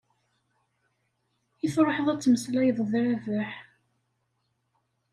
I tṛuḥeḍ ad temmeslayeḍ d Rabaḥ?